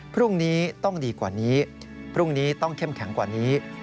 พรุ่งนี้ต้องดีกว่านี้พรุ่งนี้ต้องเข้มแข็งกว่านี้